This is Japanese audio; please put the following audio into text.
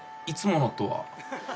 「いつもの」とは？